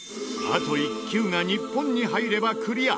あと１球が日本に入ればクリア。